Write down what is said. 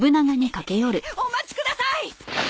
お待ちください！